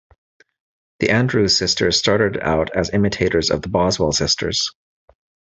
The Andrews Sisters started out as imitators of the Boswell Sisters.